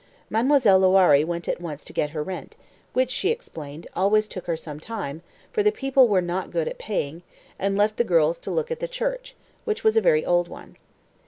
Mademoiselle Loiré went at once to get her rent, which, she explained, always took her some time, "for the people were not good at paying," and left the girls to look at the church, which was a very old one.